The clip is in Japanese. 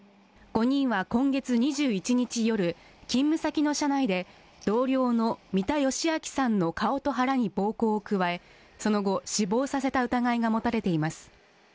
５人は、今月２１日夜勤務先の社内で同僚の三田義朗さんの顔と腹に暴行を加えその後死亡させた疑いが持たれています。